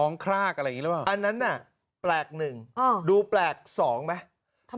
ครากอะไรอย่างนี้หรือเปล่าอันนั้นน่ะแปลกหนึ่งดูแปลกสองไหม